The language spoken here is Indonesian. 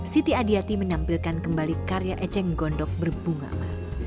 siti adiati menampilkan kembali karya eceng gondok berbunga emas